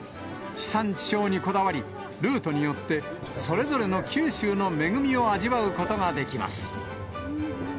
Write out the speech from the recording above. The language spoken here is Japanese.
地産地消にこだわり、ルートによってそれぞれの九州の恵みを味わうことができます。